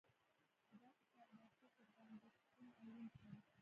چې دا کتاب مې اخيست؛ ور باندې کوڼ او ړونډ شوم.